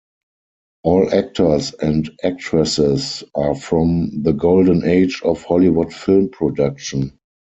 All actors and actresses are from the "Golden age" of Hollywood film production.